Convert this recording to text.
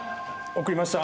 送りました。